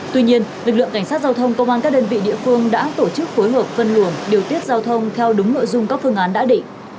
tuy nhiên lực lượng cảnh sát giao thông công an các đơn vị địa phương đã tổ chức phối hợp phân luồng điều tiết giao thông theo đúng nội dung các phương án đã định